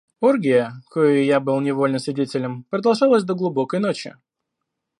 Оргия, коей я был невольным свидетелем, продолжалась до глубокой ночи.